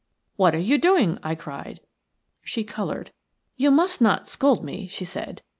"What are you doing?" I cried. She coloured. "You must not scold me," she said.